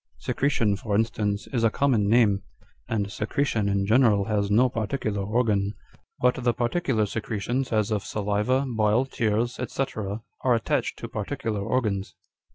Secretion, for instance, is a common name, and secretion in general has no particular organ ; but the par ticular secretions, as of saliva, bile, tears, &c. are attached to particular organs.